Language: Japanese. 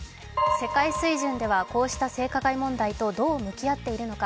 世界水準ではこうした性加害問題とどう向き合っているのか。